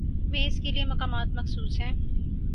میں اس کے لیے مقامات مخصوص ہیں۔